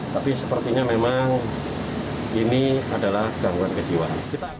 tapi sepertinya memang ini adalah gangguan kejiwaan